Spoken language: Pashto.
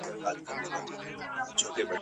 خدایه کله به ریشتیا سي زما زخمي پردېس خوبونه !.